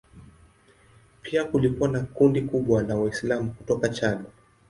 Pia kulikuwa na kundi kubwa la Waislamu kutoka Chad.